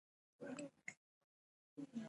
په افغانستان کې د ګاز تاریخ اوږد دی.